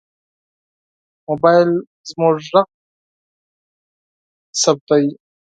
موبایل زموږ غږ ثبتوي.